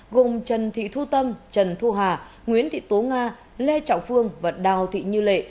gồm trần thị thu tâm trần thu hà nguyễn thị tố nga lê trọng phương và đào thị như lệ